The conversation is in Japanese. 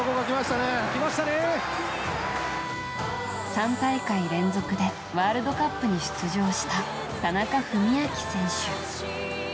３大会連続でワールドカップに出場した田中史朗選手。